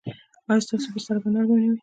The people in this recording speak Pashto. ایا ستاسو بستره به نرمه نه وي؟